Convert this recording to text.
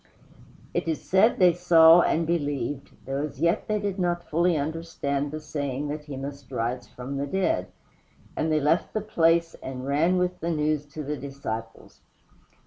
It is said they saw and believed, though as yet they did not fully understand the saying that he must rise from the dead; and they left the place and ran with the news to the disciples.